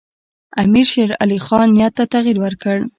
امیرشیرعلي خان نیت ته تغییر ورکړ.